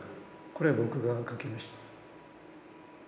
これ僕が書きました。